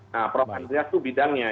nah prof andreas itu bidangnya